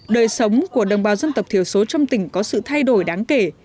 đời sống của đồng bào dân tộc thiểu số trong tỉnh có sự thay đổi đáng kể